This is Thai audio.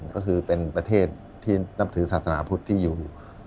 ก็คือเป็นประเทศที่นับถือศาสนาพุทธที่อยู่